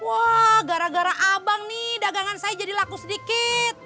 wah gara gara abang nih dagangan saya jadi laku sedikit